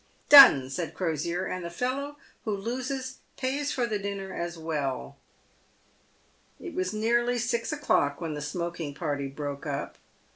" Done !" said Crosier, " and the fellow who loses pays for the dinner as well." It was nearly six o'clock when the smoking party broke up.